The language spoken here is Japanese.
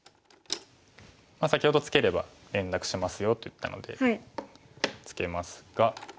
先ほど「ツケれば連絡しますよ」と言ったのでツケますが。